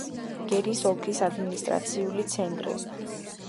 გერის ოლქის ადმინისტრაციული ცენტრი.